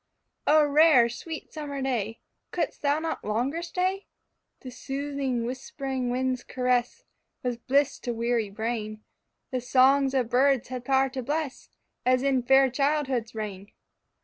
_ O rare, sweet summer day, Could'st thou not longer stay? The soothing, whispering wind's caress Was bliss to weary brain, The songs of birds had power to bless As in fair childhood's reign.